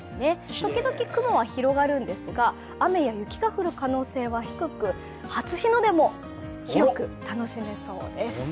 時々、雲は広がるんですが、雨や雪が降る可能性は低く、初日の出も広く楽しめそうです。